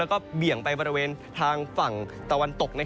แล้วก็เบี่ยงไปบริเวณทางฝั่งตะวันตก